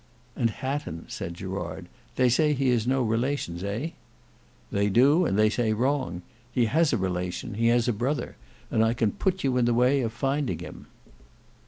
"And Hatton." said Gerard; "they say he has no relations, eh?" "They do, and they say wrong. He has a relation; he has a brother; and I can put you in the way of finding him."